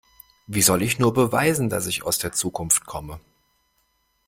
Wie soll ich nur beweisen, dass ich aus der Zukunft komme?